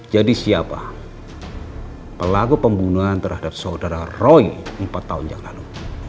siapa pelaku pembunuhan terhadap saudara roy empat tahun yang lalu